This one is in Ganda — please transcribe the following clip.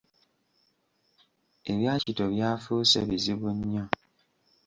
Ebya Kityo by’afuuse bizibu nnyo.